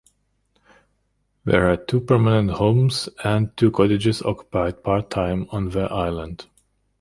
There are two permanent homes and two cottages occupied part-time on the island.